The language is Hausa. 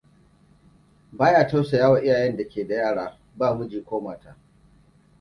Ba ya tausayawa iyayen da ke da yara ba miji ko mata.